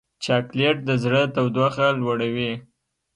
چاکلېټ د زړه تودوخه لوړوي.